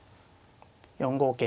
４五桂